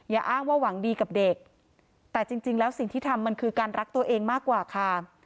อ้างว่าหวังดีกับเด็กแต่จริงแล้วสิ่งที่ทำมันคือการรักตัวเองมากกว่าค่ะ